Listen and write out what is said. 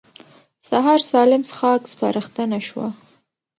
سهار سالم څښاک سپارښتنه شوه.